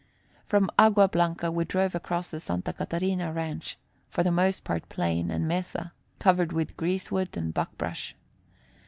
From Agua Blanca we drove across the Santa Catarina ranch, for the most part plain and mesa, covered with greasewood and buckbrush.